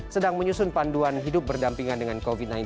sedang menyusun panduan hidup berdampingan dengan covid sembilan belas